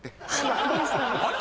あれ？